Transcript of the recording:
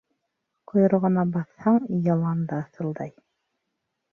Ҡойроғона баҫһаң, йылан да ыҫылдай.